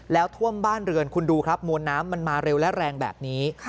แล้วท่วมบ้านเรือนคุณดูครับมวลน้ำมันมาเร็วและแรงแบบนี้